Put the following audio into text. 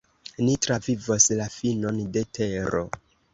"Ni travivos la finon de tero."